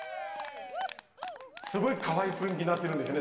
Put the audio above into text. すごいかわいい雰囲気になってるんですね